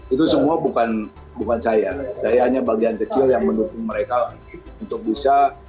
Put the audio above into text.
itu semua bukan saya saya hanya bagian kecil yang mendukung mereka untuk bisa